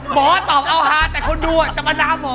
หมอตอบเอ้าฮาร์แต่คนดูอะจะมาดาวหมอ